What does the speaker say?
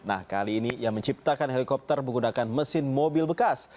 nah kali ini ia menciptakan helikopter menggunakan mesin mobil bekas